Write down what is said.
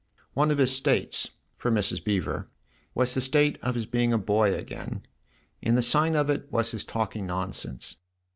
One of his " states," for Mrs. Beever, was the state of his being a boy again, and the sign of it was his talking nonsense.